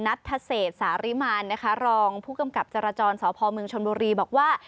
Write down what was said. นัททเศษสาริมานนะคะรองผู้กำกับจราจรสพเมืองชนบุรีบอกว่า